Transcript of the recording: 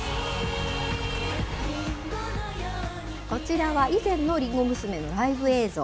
こちらは以前のりんご娘のライブ映像。